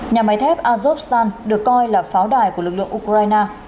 nhà máy thép azokstan được coi là pháo đài của lực lượng ukraine